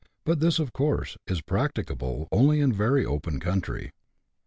But this, of course, is practicable only in very open country.